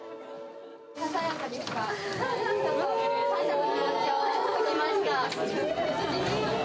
ささやかですが、感謝の気持ちを書きました。